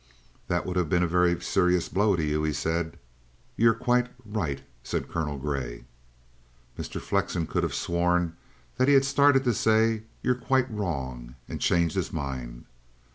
"That would have been a very serious blow to you," he said. "You're quite right," said Colonel Grey. Mr. Flexen could have sworn that he had started to say: "You're quite wrong," and changed his mind.